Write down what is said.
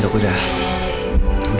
aku mau berhenti